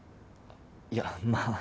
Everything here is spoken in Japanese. いやまあ